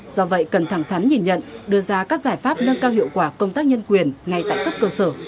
do vậy cần thẳng thắn nhìn nhận đưa ra các giải pháp nâng cao hiệu quả công tác nhân quyền ngay tại cấp cơ sở